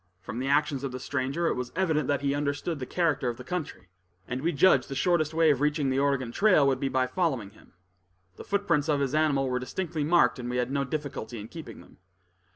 From the actions of the stranger, it was evident he understood the character of the country, and we judged the shortest way of reaching the Oregon trail would be by following him. The footprints of his animal were distinctly marked, and we had no difficulty in keeping them.